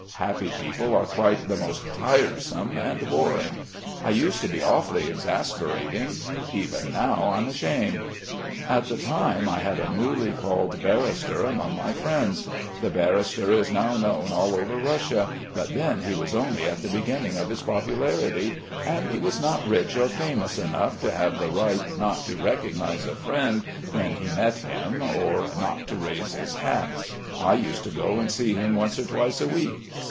Happy people are quite the most tiresome and boring. I used to be awfully exasperating. Even now I'm ashamed. "At the time I had a newly called barrister among my friends. The barrister is now known all over Russia, but then he was only at the beginning of his popularity, and he was not rich or famous enough to have the right not to recognise a friend when he met him or not to raise his hat. I used to go and see him once or twice a week.